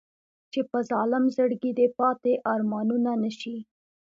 چې په ظالم زړګي دې پاتې ارمانونه نه شي.